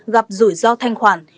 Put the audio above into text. gặp rủi ro thanh khoản